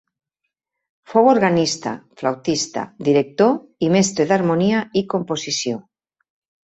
Fou organista, flautista, director i mestre d'harmonia i composició.